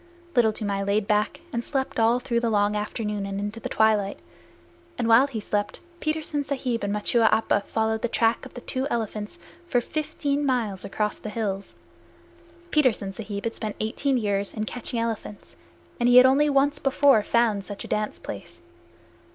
Little Toomai lay back and slept all through the long afternoon and into the twilight, and while he slept Petersen Sahib and Machua Appa followed the track of the two elephants for fifteen miles across the hills. Petersen Sahib had spent eighteen years in catching elephants, and he had only once before found such a dance place.